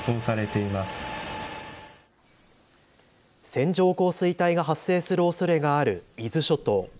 線状降水帯が発生するおそれがある伊豆諸島。